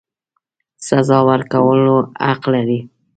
سزا ورکولو حق لري.